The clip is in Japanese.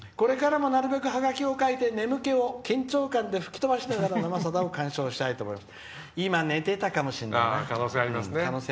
「これからもなるべくハガキを書いて眠気を緊張感で吹き飛ばしながら、『生さだ』を観賞したいと思います。